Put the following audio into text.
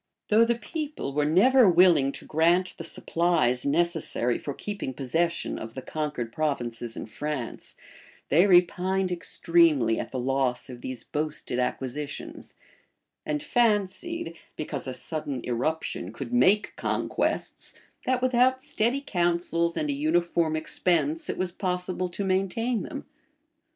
Though the people were never willing to grant the supplies necessary for keeping possession of the conquered provinces in France, they repined extremely at the loss of these boasted acquisitions; and fancied, because a sudden irruption could make conquests, that, without steady counsels and a uniform expense, it was possible to maintain them.